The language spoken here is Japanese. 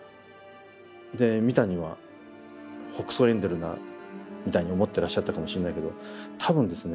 で「三谷はほくそ笑んでるな」みたいに思ってらっしゃったかもしんないけど多分ですね